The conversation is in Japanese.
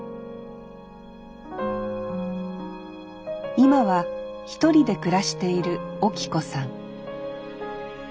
今は一人で暮らしているオキ子さん